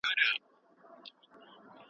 قانوني ضمانتونه د ټولنې د ثبات لپاره مهم دي.